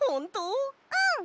うん！